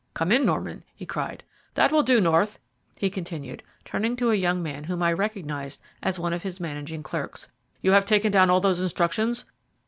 "Come in, Norman," he cried. "That will do, North," he continued, turning to a young man whom I recognized as one of his managing clerks. "You have taken down all those instructions?